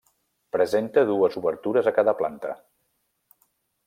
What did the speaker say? Presenta dues obertures a cada planta.